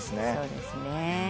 そうですね。